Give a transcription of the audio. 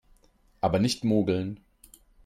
Aber nicht mogeln